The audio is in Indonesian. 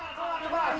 keluar keluar kemana pak